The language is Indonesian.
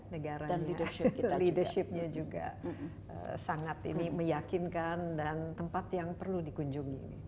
negaranya leadershipnya juga sangat ini meyakinkan dan tempat yang perlu dikunjungi